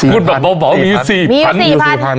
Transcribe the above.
๔๐๐๐บาทมีอยู่๔๐๐๐บาท